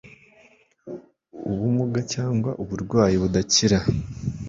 ubumuga cyangwa uburwayi budakira